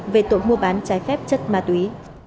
về tội mua bán trái phép chất ma túy